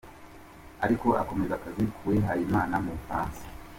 Ariko akomeza akazi k’uwihayimana mu Bufaransa.